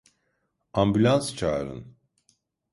Ambulans çağırın!